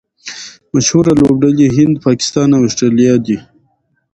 مشهوره لوبډلي هند، پاکستان او اسټرالیا دي.